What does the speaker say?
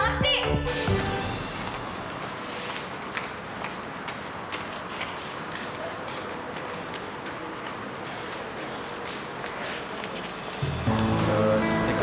tinggul banget sih